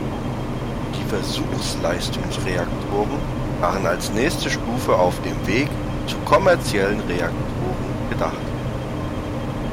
Die Versuchs-Leistungsreaktoren waren als nächste Stufe auf dem Weg zu kommerziellen Reaktoren gedacht.